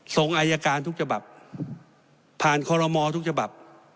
ส่งอายการทุกฉบับผ่านคอลโมทุกฉบับ